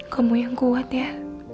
kamu yang kuat ya